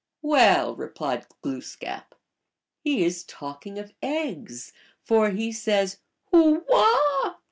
" Well," replied Glooskap, " he is talking of eggs, for he says 4 Hoo wah